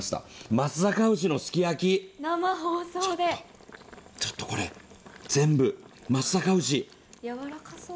松阪牛のすき焼き、ちょっとこれ、全部松阪牛。